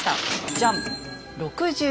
ジャン！